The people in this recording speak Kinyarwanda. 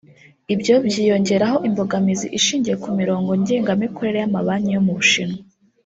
Ibyo byiyongeraho imbogamizi ishingiye ku mirongo ngengamikorere y’amabanki yo mu Bushinwa